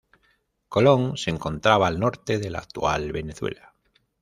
Colón se encontraba al norte de la actual Venezuela.